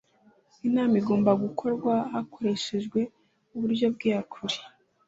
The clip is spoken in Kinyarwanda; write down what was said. inama igomba gukorwa hakoreshejwe uburyo bw’iyakure